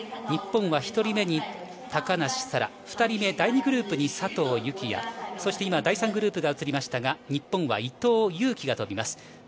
日本は１人目に高梨沙羅、２人目・第２グループに佐藤幸椰、そして第３グループが映りましたが、日本は伊藤有希が飛びます。